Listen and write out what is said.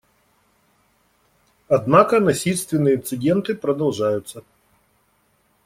Однако насильственные инциденты продолжаются.